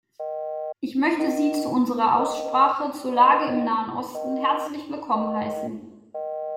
Ich möchte sie zu unserer Aussprache zur Lage im Nahen Osten herzlich willkommen heißen.